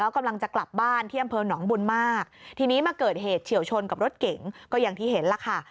กำลังจะกลับบ้านที่อำเภอหนองบุญมากทีนี้มาเกิดเหตุเฉียวชนกับรถเก๋งก็อย่างที่เห็นล่ะค่ะ